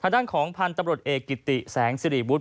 ด้านของพันธุ์ตำรวจเอกกิติแสงสิริวุฒิ